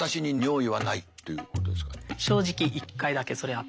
正直１回だけそれあった。